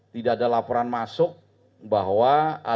tidak ada laporan masuk bahwa